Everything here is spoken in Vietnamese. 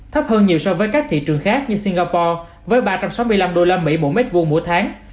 thấp hơn nhiều so với các thị trường khác như singapore với ba trăm sáu mươi năm usd mỗi mét vuông mỗi tháng